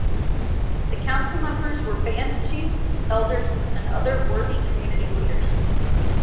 The council members were band chiefs, elders, and other worthy community leaders.